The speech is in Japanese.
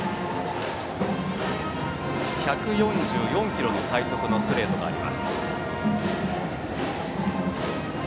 １４４キロの最速のストレートがあります。